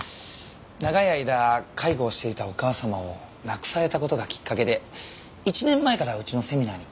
長い間介護をしていたお母様を亡くされた事がきっかけで１年前からうちのセミナーに。